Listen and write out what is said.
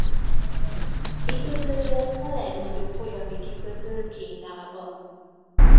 Kikötője a legnagyobb folyami kikötő Kínában.